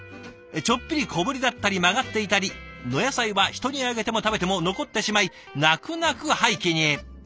ちょっぴり小ぶりだったり曲がっていたり「の野菜」は人にあげても食べても残ってしまい泣く泣く廃棄に。